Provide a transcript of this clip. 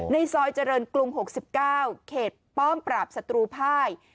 ในซอยเจริญกรุง๖๙เขตป้อมปราบศัตรูภาย